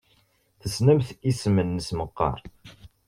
Tessnemt isem-nnes meqqar?